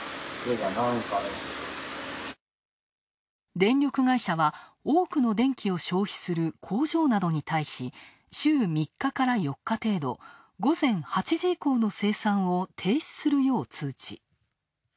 電力会社は多くの電気を消費する工場などに対し、週３日から４日程度、午前８時以降の生産を停止するよう通知。